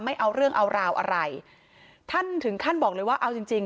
ไม่เอาเรื่องเอาราวอะไรท่านถึงขั้นบอกเลยว่าเอาจริงจริง